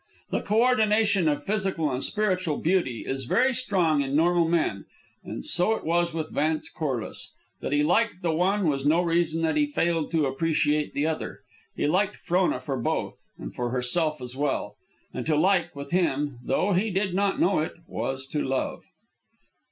The co ordination of physical with spiritual beauty is very strong in normal men, and so it was with Vance Corliss. That he liked the one was no reason that he failed to appreciate the other. He liked Frona for both, and for herself as well. And to like, with him, though he did not know it, was to love.